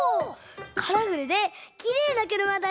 カラフルできれいなくるまだね。